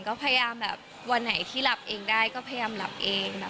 ก็พยายามแบบวันไหนที่หลับเองได้ก็พยายามหลับเอง